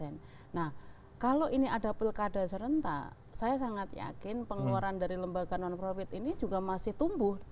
nah kalau ini ada pilkada serentak saya sangat yakin pengeluaran dari lembaga non profit ini juga masih tumbuh